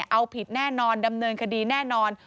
เอาผิดแน่นอนดำเนินคดีแน่นอน